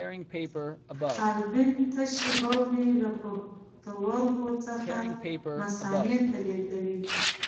حالبین تشې بولې له پښتورګو څخه مثانې ته لیږدوي.